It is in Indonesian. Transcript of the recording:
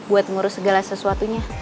untuk mengurus segala sesuatunya